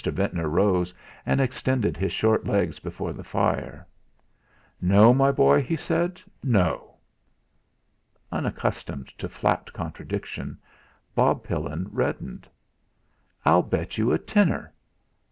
Ventnor rose and extended his short legs before the fire. "No, my boy," he said. "No!" Unaccustomed to flat contradiction, Bob Pillin reddened. "I'll bet you a tenner.